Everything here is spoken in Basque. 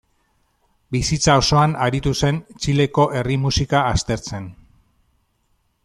Bizitza osoan aritu zen Txileko herri musika aztertzen.